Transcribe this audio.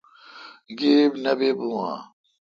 گیب نہ بہ بو اؘ۔